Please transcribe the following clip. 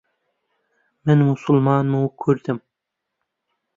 من موسڵمانم و کوردم.